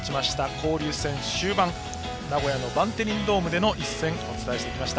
交流戦終盤名古屋のバンテリンドームでの一戦をお伝えしてきました。